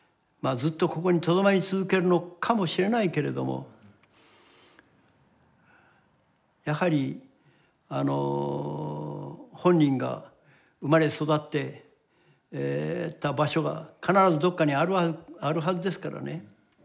ずっとここにとどまり続けるのかもしれないけれどもやはり本人が生まれ育った場所が必ずどこかにあるはずですからね。